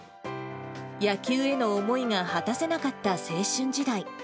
野球への思いが果たせなかった青春時代。